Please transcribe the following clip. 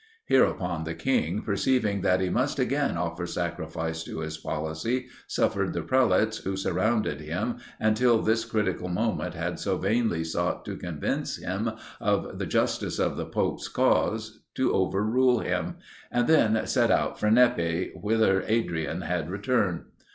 Hereupon the king, perceiving that he must again offer sacrifice to his policy, suffered the prelates, who surrounded him, and till this critical moment had so vainly sought to convince him of the justice of the pope's cause, to overrule him; and then set out for Nepi, whither Adrian had returned.